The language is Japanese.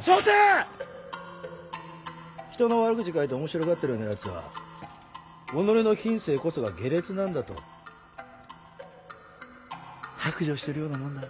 所詮人の悪口書いて面白がっとるようなやつは己の品性こそが下劣なんだと白状してるようなもんだわ。